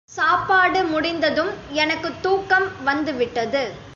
சாப்பாடு முடிந்ததும் எனக்குத் தூக்கம் வந்துவிட்டது.